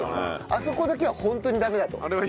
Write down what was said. あそこだけはホントにダメだと。